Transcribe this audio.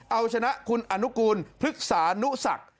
เอาชนะคุณอนุกูลพฤกษานุศักดิ์